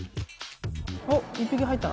おっ１ぴき入った？